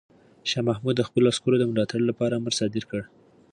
شاه محمود د خپلو عسکرو د ملاتړ لپاره امر صادر کړ.